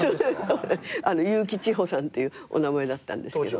そう悠木千帆さんっていうお名前だったんですけどね。